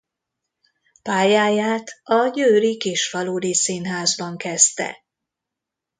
Pályáját a győri Kisfaludy Színházban kezdte.